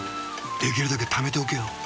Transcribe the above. できるだけためておけよ。